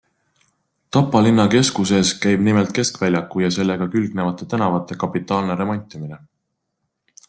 Tapa linna keskuses käib nimelt keskväljaku ja sellega külgnevate tänavate kapitaalne remontimine.